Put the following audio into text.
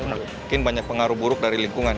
mungkin banyak pengaruh buruk dari lingkungan